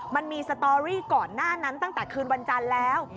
มันมีสตอรี่ก่อนหน้านั้นตั้งแต่คืนวันจันทร์แล้ว